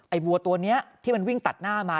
วัวตัวนี้ที่มันวิ่งตัดหน้ามา